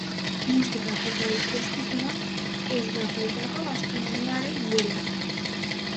Musika eta ikuskizuna ez da faltako gastronomiaren inguruan.